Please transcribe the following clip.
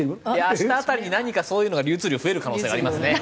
明日辺りに何かそういうのが流通量増える可能性がありますね。